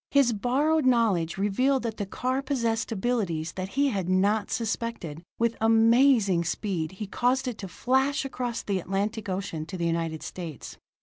His borrowed knowledge revealed that the car possessed abilities that he had not suspected; with amazing speed he caused it to flash across the Atlantic Ocean to the United States.